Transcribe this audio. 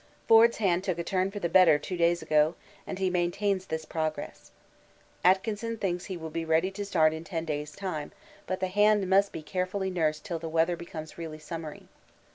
Forde's hand took a turn for the better two days ago and he maintains this progress. Atkinson thinks he will be ready to start in ten days' time, but the hand must be carefully nursed till the weather becomes really summery.